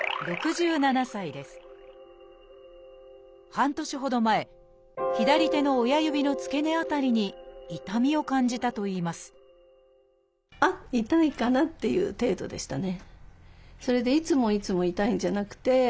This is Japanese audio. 半年ほど前左手の親指の付け根辺りに痛みを感じたといいますあっ痛いかなっていう程度でしたね。